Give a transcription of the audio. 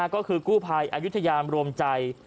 ก็คือกู้ภัยอายุทยามรวมใจ